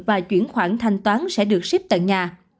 và chuyển khoản thanh toán sẽ được ship tận nhà